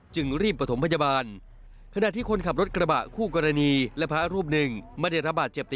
จึงรีบประถมพยาบาลขณะที่คนขับรถกระบะคู่กรณีและพระรูปหนึ่งไม่ได้ระบาดเจ็บ